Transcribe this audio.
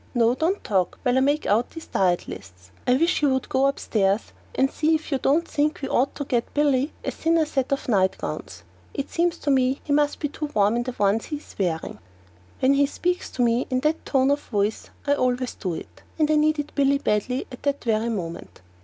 No, don't talk while I make out these diet lists! I wish you would go upstairs and see if you don't think we ought to get Billy a thinner set of nightgowns. It seems to me he must be too warm in the ones he is wearing." When he speaks to me in that tone of voice I always do it. And I needed Billy badly at that very moment.